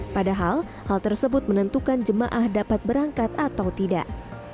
padahal hal tersebut menentukan jemaah dapat berangkat atau tidak